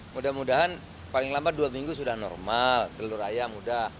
mudah mudahan paling lama dua minggu sudah normal telur ayam mudah